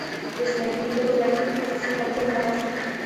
د اشتراکي کېدو په بهیر کې خصوصي مالکیت لغوه شو